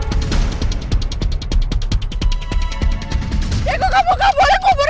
drakan lama saya masih ada di freshwater